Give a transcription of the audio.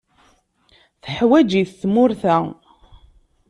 Tuḥwaǧ-it tmurt-a.